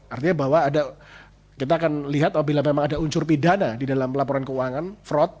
artinya bahwa ada kita akan lihat apabila memang ada unsur pidana di dalam laporan keuangan fraud